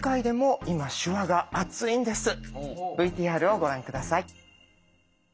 ＶＴＲをご覧下さい。